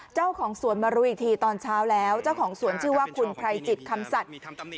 เจ้าของสวนมารู้อีกทีตอนเช้าแล้วเจ้าของสวนชื่อว่าคุณไพรจิตคำสัตว์